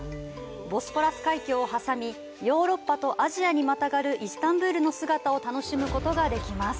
ボスポラス海峡を挟みヨーロッパとアジアにまたがるイスタンブルの姿を楽しむことができます。